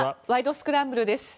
スクランブル」です。